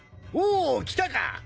おお来たか！